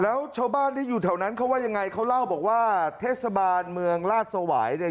แล้วชาวบ้านที่อยู่แถวนั้นเขาว่ายังไงเขาเล่าบอกว่าเทศบาลเมืองราชสวายเนี่ย